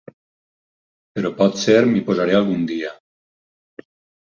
Però potser m'hi posaré algun dia.